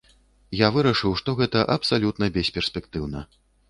Я вырашыў, што гэта абсалютна бесперспектыўна.